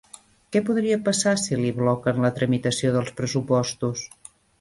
Què podria passar si li bloquen la tramitació dels pressupostos?